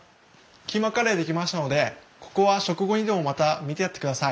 キーマカレー出来ましたのでここは食後にでもまた見てやってください。